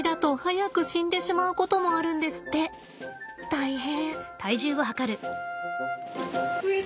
大変。